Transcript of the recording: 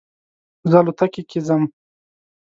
زه الوتکې کې ځم